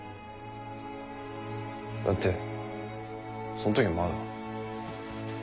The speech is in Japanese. だってそのときはまだ。